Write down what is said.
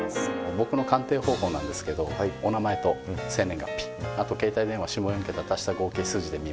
僕の鑑定方法なんですけどお名前と生年月日あと携帯電話下４桁足した合計数字で見ます。